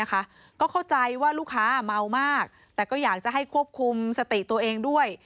ก็เข้าใจว่าลูกค้าเมามากแต่ก็อยากจะให้ควบคุมสติตัวเองด้วย